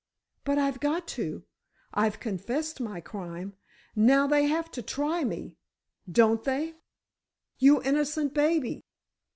"But I've got to. I've confessed my crime; now they have to try me—don't they?" "You innocent baby.